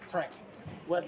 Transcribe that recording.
yang mana yang lebih sulit